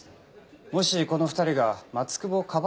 もしこの２人が松久保をかばってるとしたら。